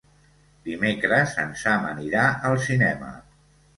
Dimecres en Sam anirà al cinema.